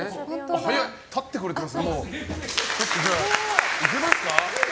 早い、立ってくれてる。